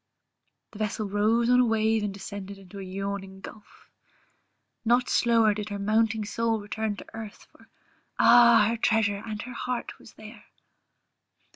The vessel rose on a wave and descended into a yawning gulph Not slower did her mounting soul return to earth, for Ah! her treasure and her heart was there.